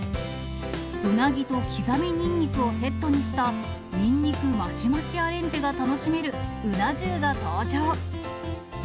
うなぎと刻みニンニクをセットにした、ニンニクマシマシアレンジが楽しめるうな重が登場。